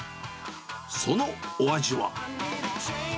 そのお味は。